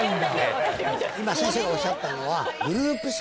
今先生がおっしゃったのは。